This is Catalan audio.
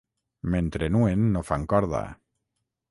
Mentre nuen no fan corda.